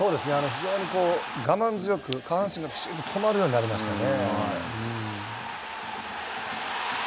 非常に我慢強く下半身が止まるようになりましたね。